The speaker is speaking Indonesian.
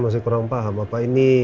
saya masih kurang paham apa